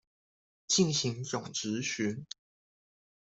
進行總質詢